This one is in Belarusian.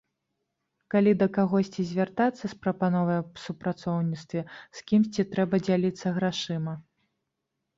Калі да кагосьці звяртацца з прапановай аб супрацоўніцтве, з кімсьці трэба дзяліцца грашыма.